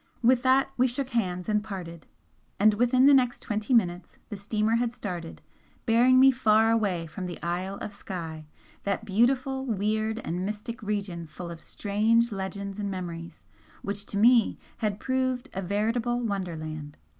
With that we shook hands and parted, and within the next twenty minutes the steamer had started, bearing me far away from the Isle of Skye, that beautiful, weird and mystic region full of strange legends and memories, which to me had proved a veritable wonderland.